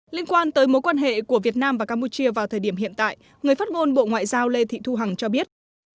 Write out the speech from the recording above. liên quan tới mối quan hệ của việt nam và campuchia vào thời điểm hiện tại người phát ngôn bộ ngoại giao lê thị thu hằng cho biết